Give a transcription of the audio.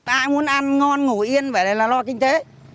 ai muốn ăn ngon ngủ yên vậy này là lo kinh tế